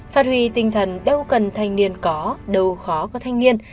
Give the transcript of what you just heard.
phát huy tinh thần đâu cần thanh niên có đâu khó có thanh niên